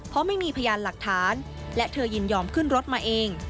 เพราะไม่มีพยานหลักฐานและเธอยินยอมขึ้นรถมาเอง